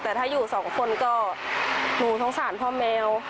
แต่ถ้าอยู่สองคนก็หนูสงสารพ่อแมว